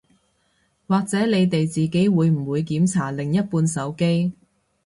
或者你哋自己會唔會檢查另一半手機